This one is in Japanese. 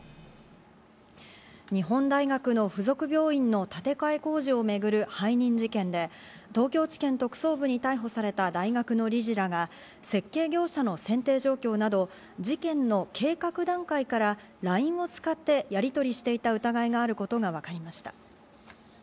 日本大学の附属病院の建て替え工事をめぐる背任事件で、東京地検特捜部に逮捕された大学の理事らが設計業者の選定状況など、事件の計画段階からＬＩＮＥを使ってやりとりしていた疑いがあることがわかりました。